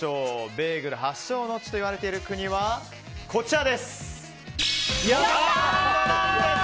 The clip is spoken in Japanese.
ベーグル発祥の地といわれている国はポーランドなんです。